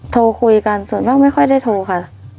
โทรคุยกันส่วนมากไม่ค่อยได้โทรค่ะ